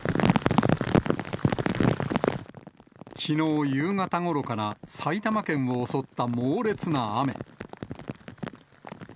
きのう夕方ごろから埼玉県を襲った猛烈な雨。